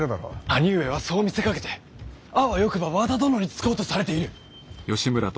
兄上はそう見せかけてあわよくば和田殿につこうとされている。